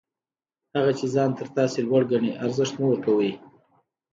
هغه چي ځان تر تاسي لوړ ګڼي، ارزښت مه ورکوئ!